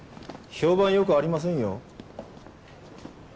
評判良くありませんよ。